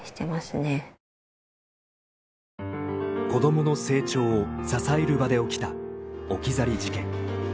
子どもの成長を支える場で起きた置き去り事件。